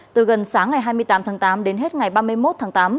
từ gần sáng ngày hai mươi tám tháng tám đến hết ngày ba mươi một tháng tám